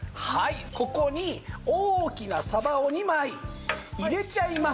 ここに大きなサバを２枚入れちゃいます。